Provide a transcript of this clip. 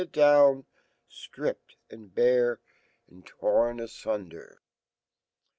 It down, Stripped , and bare , and torn afunder* M.